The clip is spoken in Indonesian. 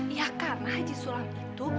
ya karena haji sulang itu